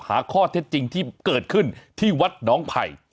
หาข้อเท็จจริงที่เกิดขึ้นที่วัดน้องไผ่